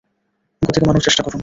গতি কমানোর চেষ্টা করুন!